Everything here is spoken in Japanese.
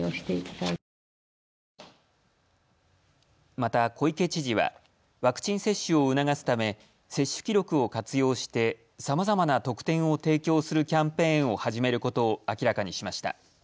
また小池知事はワクチン接種を促すため接種記録を活用してさまざまな特典を提供するキャンペーンを始めることを明らかにしました。